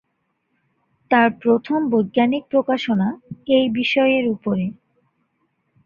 তার প্রথম বৈজ্ঞানিক প্রকাশনা এই বিষয়ের উপরে।